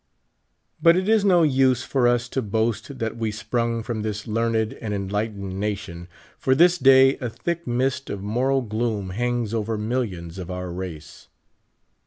But it is no use for us to boast that we sprung from this learned and enlightened nation, for this day a thick mist of moral gloom hangs over millions of our race.